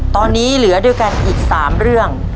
ตอนนี้เหลือด้วยกันอีก๓เรื่อง